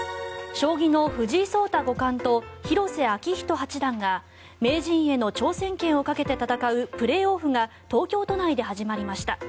将棋の藤井聡太五冠と広瀬章人八段が名人への挑戦権をかけて戦うプレーオフが東京都内で始まりました。